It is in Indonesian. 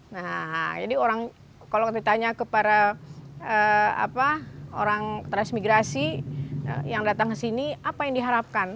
nah jadi orang kalau ditanya kepada orang transmigrasi yang datang ke sini apa yang diharapkan